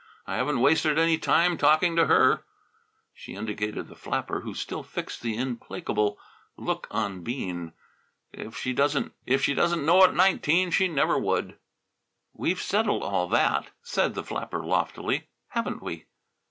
I haven't wasted any time talking to her." She indicated the flapper, who still fixed the implacable look on Bean. "If she doesn't know at nineteen, she never would " "We've settled all that," said the flapper loftily. "Haven't we?"